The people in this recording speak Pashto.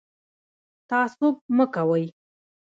تعصب مه کوئ